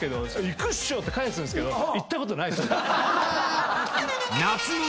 行くっしょ！って返すんすけど行ったことない。